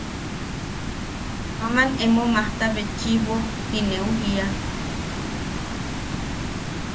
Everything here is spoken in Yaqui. “aman emo majta betchiʼibo” ti neu jiia.